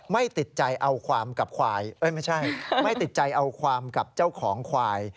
ไม่ติดใจเอาความกับเจ้าของควาย